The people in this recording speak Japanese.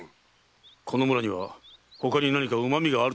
この村にはほかに何かうまみがあるとでもいうのか？